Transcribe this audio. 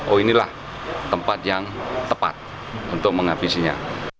oh inilah tempat yang tepat untuk menghabisinya